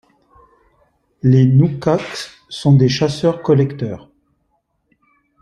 Les nukaks sont des chasseurs-collecteurs.